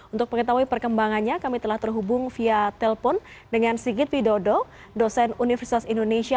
untuk mengetahui perkembangannya kami telah terhubung via telpon dengan sigit widodo dosen universitas indonesia